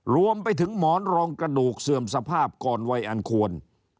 รวมไปถึงหมอนรองกระดูกเสื่อมสภาพก่อนวัยอันควร